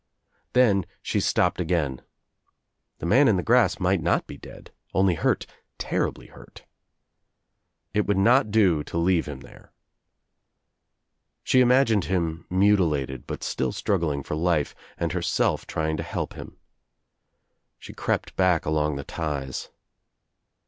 Then she stopped again. The man in the grass might not be dead, only hurt, terribly hurt. It would not do to leave him there. She imagined him mutilated but still struggling for life and herself trying to help him. She crept back along the ties.